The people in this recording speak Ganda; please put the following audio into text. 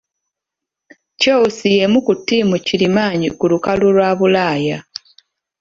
Chelsea y'emu ku ttiimu kirimaanyi ku lukalu lwa Bulaaya.